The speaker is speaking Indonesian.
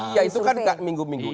iya itu kan minggu minggu